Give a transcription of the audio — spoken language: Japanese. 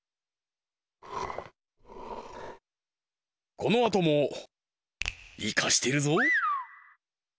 このあともイカしてるぞ！